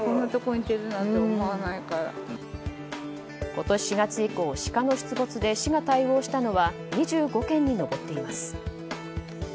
今年４月以降シカの出没で市が対応したのは２５件に上っています。